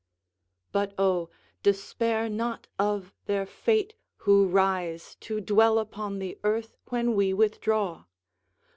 IV. But oh, despair not of their fate who rise To dwell upon the earth when we withdraw!